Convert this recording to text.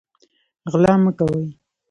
غلا مه کوئ